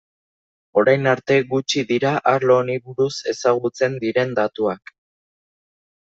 Orain arte gutxi dira arlo honi buruz ezagutzen diren datuak.